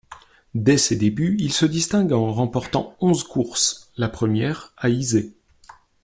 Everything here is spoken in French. Dès ses débuts, il se distingue en remportant onze courses, la première à Izé.